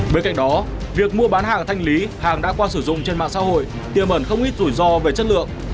bên cạnh đó việc mua bán hàng thanh lý hàng đã qua sử dụng trên mạng xã hội tiềm ẩn không ít rủi ro về chất lượng